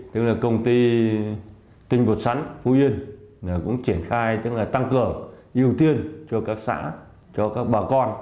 tức là công ty tinh vụt sắn phú yên cũng triển khai tăng cờ ưu tiên cho các xã cho các bà con